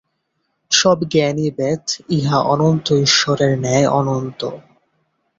সব জ্ঞানই বেদ, ইহা অনন্ত ঈশ্বরের ন্যায় অনন্ত।